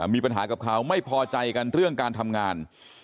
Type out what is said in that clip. มีปัญหากับเขาไม่พอใจกันเรื่องการทำงาน